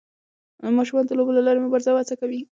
ماشومان د لوبو له لارې مبارزه او هڅه زده کوي.